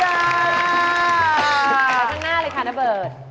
หาตอนหน้าเลยค่ะนเบิร์ธ